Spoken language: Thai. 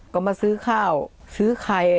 ก็มาซื้อข้าวซื้อไข่